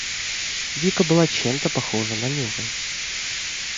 Вика была чем-то похожа на Нюру.